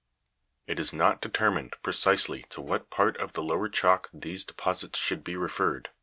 It is not determined pre cisely to what part of the lower chalk these deposits should be referred, but Fig.